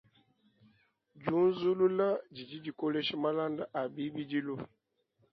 Diunzulula didi dikolesha malanda a bibidilu.